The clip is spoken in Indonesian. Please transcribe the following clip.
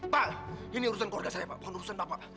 pak ini urusan keluarga saya pak bukan urusan apa